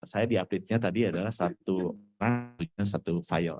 saya di update nya tadi adalah satu fire